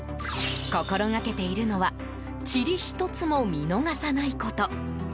心がけているのはちり１つも見逃さないこと。